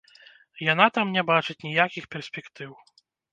Яна там не бачыць ніякіх перспектыў.